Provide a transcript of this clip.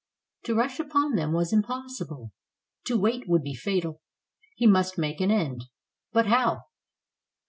To rush upon them was impossible; to wait would be fatal. He must make an end. But how?